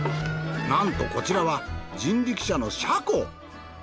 なんとこちらは人力車の車庫。